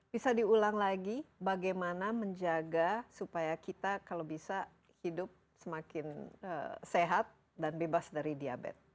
bisa diulang lagi bagaimana menjaga supaya kita kalau bisa hidup semakin sehat dan bebas dari diabetes